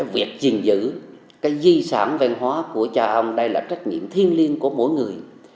việc gìn giữ di sản văn hóa của cha ông đây là trách nhiệm thiên liên của mỗi người